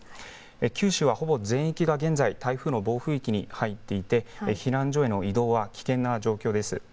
九州はほぼ全域が現在、台風の暴風域に入っていて避難所への移動は危険な状態です。